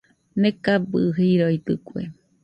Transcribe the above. Nekabɨ jiroitɨkue.